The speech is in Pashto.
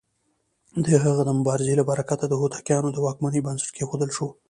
د هغه د مبارزې له برکته د هوتکيانو د واکمنۍ بنسټ کېښودل شو.